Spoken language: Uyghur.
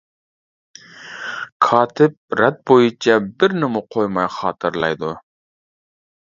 كاتىپ رەت بويىچە بىرىنىمۇ قويماي خاتىرىلەيدۇ.